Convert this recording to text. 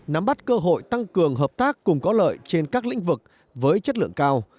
nắm bắt cơ hội tăng cường hợp tác cùng có lợi trên các lĩnh vực với chất lượng cao